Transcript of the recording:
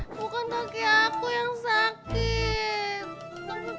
bukan bagi aku yang sakit